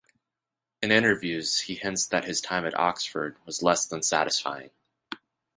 In interviews, he hints that his time at Oxford was less than satisfying.